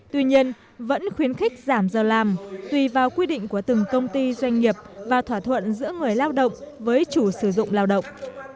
tuy nhiên vẫn khuyến khích giảm giờ làm tùy vào quy định của từng công ty doanh nghiệp và thỏa thuận giữa người lao động với chủ sử dụng lao động